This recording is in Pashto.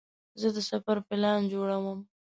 زه د سفر پلان جوړوم.